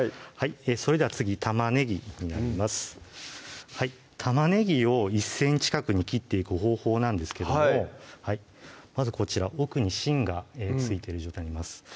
それでは次玉ねぎになります玉ねぎを１ｃｍ角に切っていく方法なんですけどもまずこちら奥に芯が付いてる状態になります